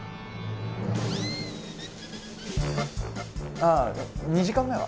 ああ２時間目は。